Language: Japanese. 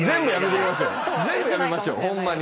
全部やめましょうホンマに。